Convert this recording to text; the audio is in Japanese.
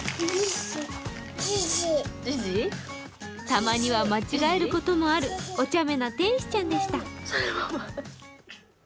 たまには間違えることもあるお茶目な天使ちゃんでした。